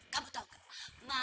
kamu tahu ma